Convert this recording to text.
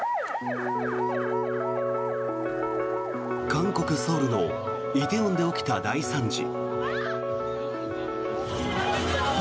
韓国ソウルの梨泰院で起きた大惨事。